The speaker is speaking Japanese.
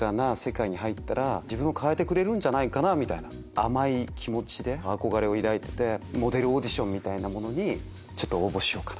甘い気持ちで憧れを抱いててモデルオーディションにちょっと応募しようかな。